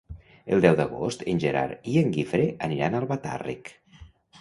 El deu d'agost en Gerard i en Guifré aniran a Albatàrrec.